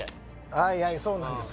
はいはいそうなんです。